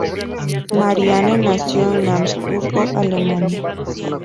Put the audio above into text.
Marianne nació en Augsburgo, Alemania.